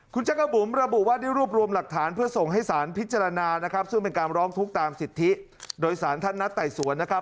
คุณจักรบุ๋มระบุว่าได้รวบรวมหลักฐานเพื่อส่งให้สารพิจารณานะครับซึ่งเป็นการร้องทุกข์ตามสิทธิโดยสารท่านนัดไต่สวนนะครับ